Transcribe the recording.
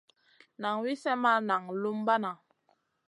Nan wi slèh ma naŋ lumbana.